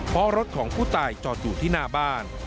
เพราะรถของผู้ตายจอดอยู่ที่หน้าบ้าน